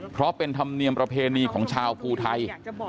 เพราะเป็นธรรมเนียมประเพณีของชาวภูไทย